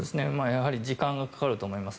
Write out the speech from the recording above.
やはり時間がかかると思います。